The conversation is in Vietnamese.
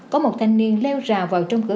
có một thanh niên leo rào vào trong cửa